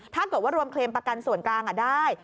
ถ้าเกิดว่ารวมเคลมประกันส่วนกลางได้